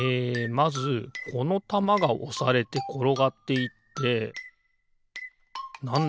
まずこのたまがおされてころがっていってなんだ？